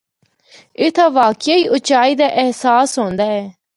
اِتھا واقعی اُچائی دا احساس ہوندا اے۔